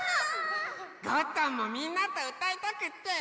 ゴットンもみんなとうたいたくってきちゃった！